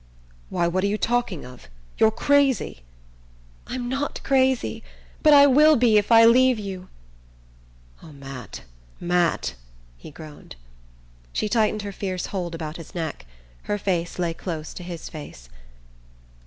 "Why, what are you talking of? You're crazy!" "I'm not crazy; but I will be if I leave you." "Oh, Matt, Matt " he groaned. She tightened her fierce hold about his neck. Her face lay close to his face.